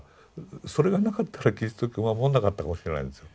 それがなかったらキリスト教守んなかったかもしれないんですよ。